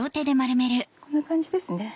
こんな感じですね。